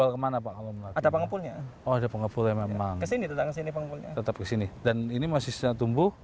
kalau yang sudah kerendam